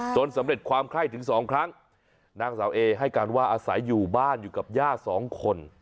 สำเร็จความไข้ถึงสองครั้งนางสาวเอให้การว่าอาศัยอยู่บ้านอยู่กับย่าสองคน